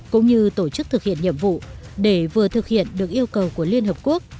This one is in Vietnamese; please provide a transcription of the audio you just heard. cũng như tổ chức thực hiện nhiệm vụ để vừa thực hiện được yêu cầu của liên hợp quốc